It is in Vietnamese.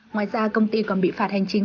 ngoài ra công ty còn bị phạt hành chính